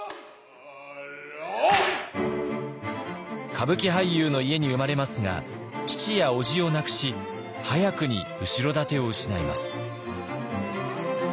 歌舞伎俳優の家に生まれますが父やおじを亡くし早くに後ろ盾を失います。